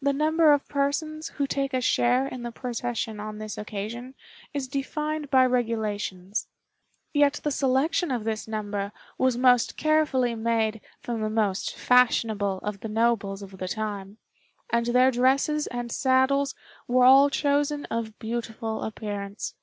The number of persons who take a share in the procession on this occasion is defined by regulations; yet the selection of this number was most carefully made from the most fashionable of the nobles of the time, and their dresses and saddles were all chosen of beautiful appearance.